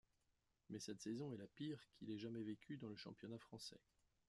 Mais cette saison est la pire qu'il ait jamais vécue dans le championnat français.